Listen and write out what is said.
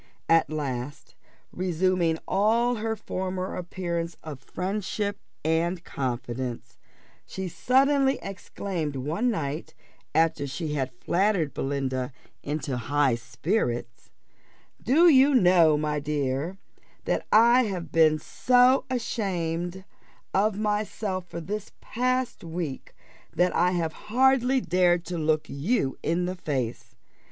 At last, resuming all her former appearance of friendship and confidence, she suddenly exclaimed one night after she had flattered Belinda into high spirits "Do you know, my dear, that I have been so ashamed of myself for this week past, that I have hardly dared to look you in the face.